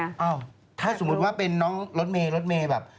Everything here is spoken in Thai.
อ้าวถ้าสมมุติว่าเป็นน้องรถเมย์รถเมย์แบบ